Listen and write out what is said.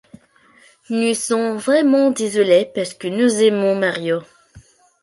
Nous sommes vraiment désolés parce que nous aimons Mario.